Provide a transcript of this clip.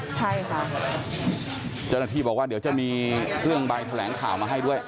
ใช่ค่ะเจ้าหน้าที่บอกว่าเดี๋ยวจะมีเครื่องใบแถลงข่าวมาให้ด้วย